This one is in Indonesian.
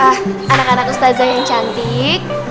wah anak anak ustazah yang cantik